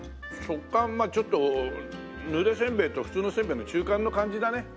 食感はちょっとぬれせんべいと普通のせんべいの中間の感じだね。